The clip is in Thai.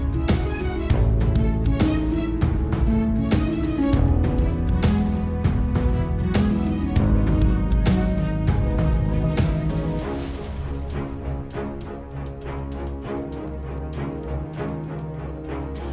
ขอบคุณทุกคนครับ